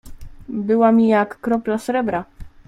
"Była mi jak kropla srebra."